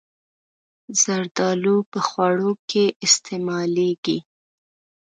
زردالو په خوړو کې استعمالېږي.